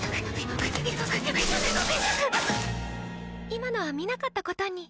今のは見なかったことに。